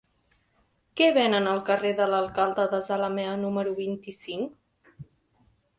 Què venen al carrer de l'Alcalde de Zalamea número vint-i-cinc?